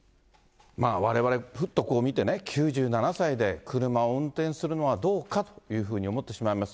われわれ、ふっとこう見てね、９７歳で、車を運転するのはどうかっていうふうに思ってしまいます。